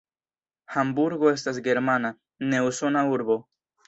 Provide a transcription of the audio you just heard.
Hamburgo estas germana, ne usona urbo.